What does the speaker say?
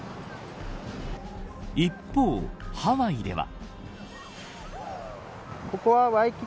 一方、ハワイでは。